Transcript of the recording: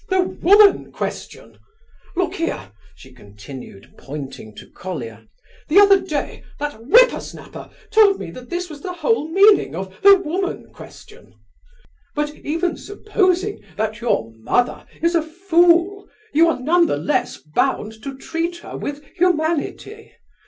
The 'woman question'? Look here," she continued, pointing to Colia, "the other day that whippersnapper told me that this was the whole meaning of the 'woman question.' But even supposing that your mother is a fool, you are none the less, bound to treat her with humanity.